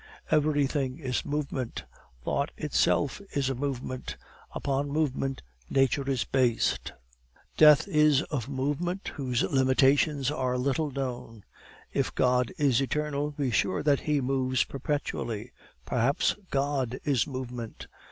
Everything is movement, thought itself is a movement, upon movement nature is based. Death is a movement whose limitations are little known. If God is eternal, be sure that He moves perpetually; perhaps God is movement.